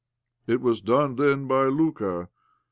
It was done then by Luka.